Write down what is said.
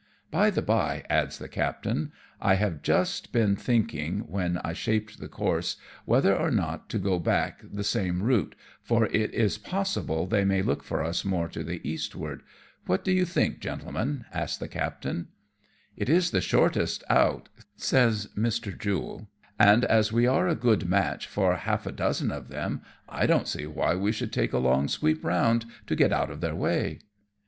By the bye," adds the captain, "I have just been 58 AMONG TYPHOONS AND PIRATE CRAFT. thinking, when I shaped the course, whether or not to go back the same route^ for it is possible they may look for us more to the eastward. What do you think, gentlemen ?" asks the captain. " It is the shortest cut," says Mr. Jule, " and as we are a good match for half a dozen of them, I don^t see why we should take a long sweep round to get out of their way."